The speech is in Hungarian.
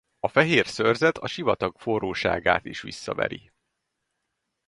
A fehér szőrzet a sivatag forróságát is visszaveri.